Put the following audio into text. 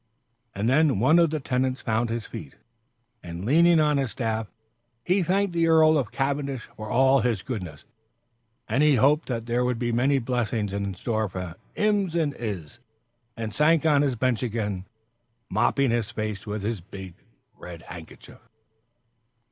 And then one of the tenants found his feet, and leaning on his staff, he thanked the Earl of Cavendish for all his goodness, and he hoped there would be many blessings in store for 'im and 'is, and sank on his bench again, mopping his face with his big red handkerchief.